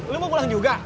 lo mau pulang juga